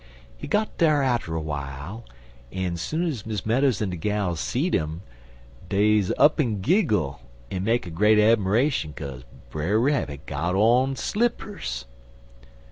He got dar atter 'w'ile, en soon's Miss Meadows en de gals seed 'im, dey up'n giggle, en make a great 'miration kaze Brer Rabbit got on slippers.